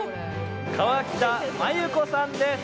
河北麻友子さんです！